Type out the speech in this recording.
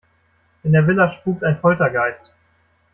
In der Villa spukt ein Poltergeist.